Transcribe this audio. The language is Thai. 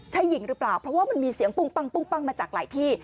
ใช่หญิงหรือเปล่าเพราะว่ามันมีเสียงปุ้งปั้งมาจากหลายที่